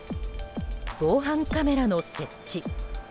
防犯カメラの設置。